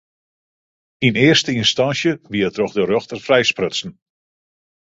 Yn earste ynstânsje wie er troch de rjochter frijsprutsen.